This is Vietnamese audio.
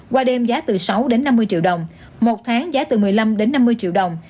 qua đêm giá từ sáu đến năm mươi triệu đồng một tháng giá từ một mươi năm đến năm mươi triệu đồng